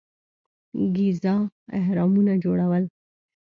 ګیزا اهرامونه جوړول.